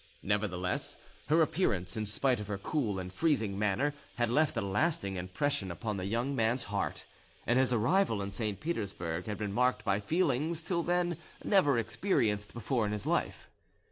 Nevertheless, her appearance, in spite of her cool and freezing manner, had left a lasting impression upon the young man's heart, and his arrival in St. Petersburg had been marked by feelings till then never experienced before in his life.